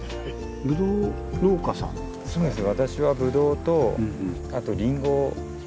そうです